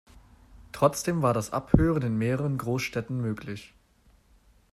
Trotzdem war das Abhören in mehreren Großstädten möglich.